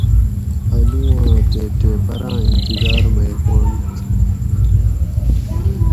آلواۤں تے ٹیپراۤں انتظار مئی ہُواۤنت